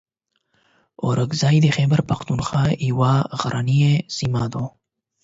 اورکزۍ د خیبر پښتونخوا یوه غرنۍ سیمه ده.